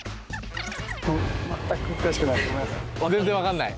全然分かんない？